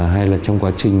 hay là trong quá trình